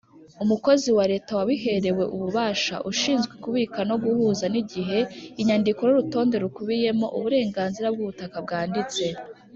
umukozi wa Leta wabiherewe ububasha ushinzwe kubika no guhuza n’igihe inyandiko n’urutonde rukubiyemo uburenganzira bw’ubutaka bwanditse